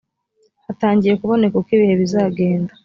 hatangiye kuboneka uko ibihe bizagenda